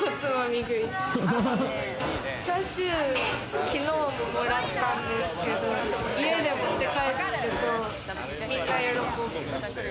チャーシュー、昨日ももらったんですけれども、家に持って帰ると、みんな喜ぶ。